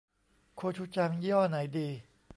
โคชูจัง ยี่ห้อไหนดี